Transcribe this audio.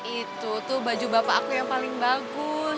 itu tuh baju bapak aku yang paling bagus